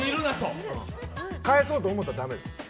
返そうと思ったら駄目です。